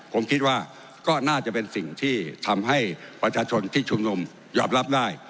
ผมคิดว่าก็น่าจะเป็นสิ่งที่ทำให้ประชาชนที่ชุมนุมยอมรับได้